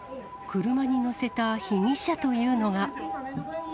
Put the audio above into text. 車に乗せた被疑者というのが。